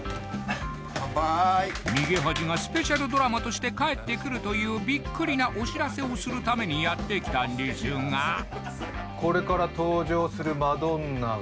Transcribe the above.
「逃げ恥」がスペシャルドラマとして帰ってくるというビックリなお知らせをするためにやってきたんですがえっ！